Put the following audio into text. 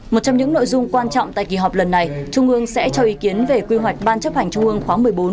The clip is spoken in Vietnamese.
một trong những nội dung quan trọng tại kỳ họp lần này trung ương sẽ cho ý kiến về quy hoạch ban chấp hành trung ương khóa một mươi bốn